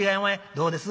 どうです？